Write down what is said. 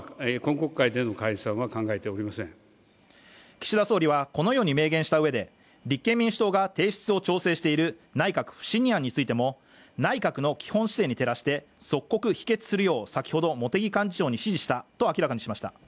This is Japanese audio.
岸田総理はこのように明言したうえで、立憲民主党が提出を調整している内閣不信任案についても内閣の基本姿勢に照らして即刻否決するよう先ほど茂木幹事長に指示したと明らかにしました。